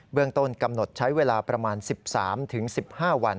เรื่องต้นกำหนดใช้เวลาประมาณ๑๓๑๕วัน